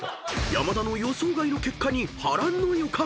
［山田の予想外の結果に波乱の予感］